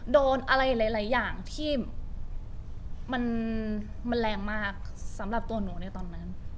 โดนอะไรหลายอย่างที่มันแรงมากสำหรับตัวหนูในตอนนั้น